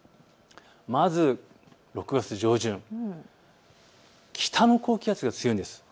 まず６月上旬、北の高気圧が強いんです。